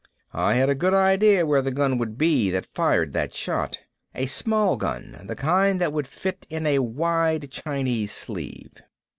I had a good idea where the gun would be that fired that shot. A small gun, the kind that would fit in a wide Chinese sleeve.